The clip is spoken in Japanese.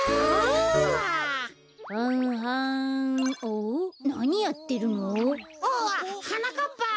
おおっはなかっぱ。